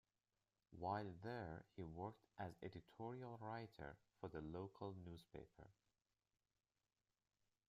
While there he worked as editorial writer for the local newspaper.